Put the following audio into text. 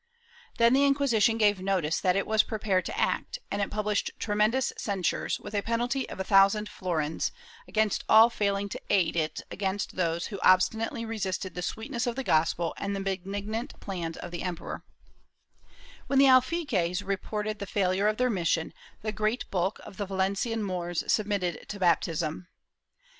Then the Inquisition gave notice that it was prepared to act, and it published tremendous censures, with a penalty of a thousand florins, against all failing to aid it against those who obstinately resisted the sweetness of the gospel and the benignant plans of the emperor/ When the alfaquies reported the failure of their mission, the great bulk of the Valencian Moors submitted to baptism.